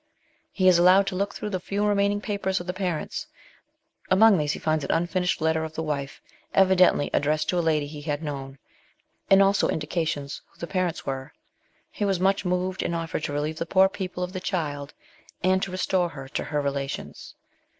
He is allowed to look through the few remaining papers of the parents. Among these he finds an unfinished letter of the wife, evidently addressed to a lady he had known, and also indications who the parents were. He was much moved, and offered to relieve the poor people of the child and to restore her to her relations.